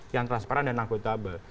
yang transparan dan akutabel